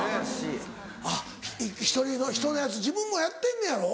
あっひとのやつ自分もやってんねやろ？